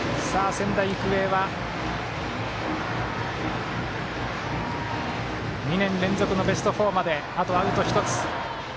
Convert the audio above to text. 仙台育英は２年連続のベスト４まであとアウト１つ。